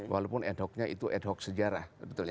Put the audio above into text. walaupun ad hocnya itu ad hoc sejarah